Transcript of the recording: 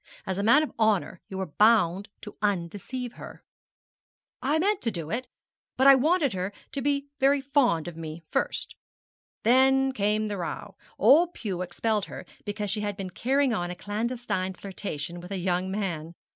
As a man of honour you were bound to undeceive her.' 'I meant to do it, but I wanted her to be very fond of me first. Then came the row; old Pew expelled her because she had been carrying on a clandestine flirtation with a young man.